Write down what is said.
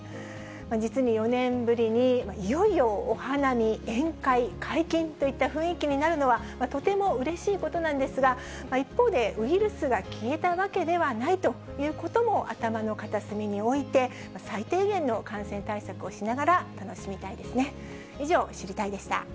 実に４年ぶりに、いよいよお花見、宴会解禁といった雰囲気になるのは、とてもうれしいことなんですが、一方で、ウイルスが消えたわけではないということも頭の片隅に置いて、最低限の感染対策をしながら、楽しみたいですね。